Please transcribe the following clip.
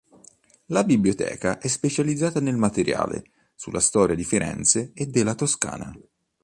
La biblioteca è specializzata nel materiale sulla storia di Firenze e della Toscana.